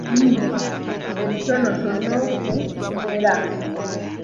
Ebitonotono ku Kimera.